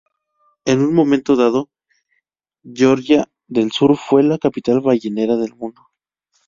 En un momento dado, Georgia del Sur fue la capital ballenera del mundo.